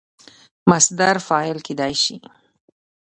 مصدر فاعل کېدای سي.